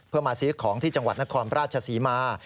เพื่อมาซื้อของที่จังหวัดนครราชศรีมา